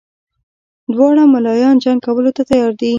دواړه ملایان جنګ کولو ته تیار دي.